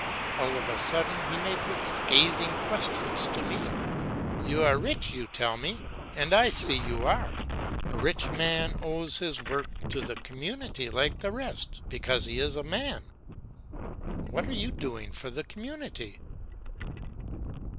All of a sudden he may put scathing questions to me. "You are rich, you tell me, and I see you are. A rich man owes his work to the community like the rest because he is a man. What are you doing for the community?"